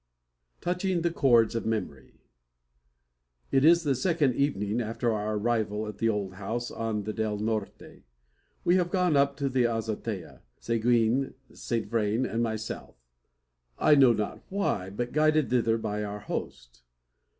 TOUCHING THE CHORDS OF MEMORY. It is the second evening after our arrival at the old house on the Del Norte. We have gone up to the azotea Seguin, Saint Vrain, and myself; I know not why, but guided thither by our host.